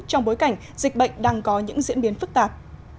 trong bối cảnh dịch bệnh đang có những diễn biến phức tạp